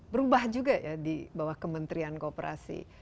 berubah juga ya di bawah kementrian koperasi